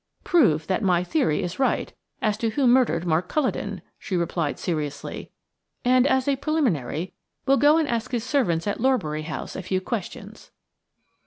"Prove that my theory is right as to who murdered Mark Culledon," she replied seriously; "and as a preliminary we'll go and ask his servants at Lorbury House a few questions."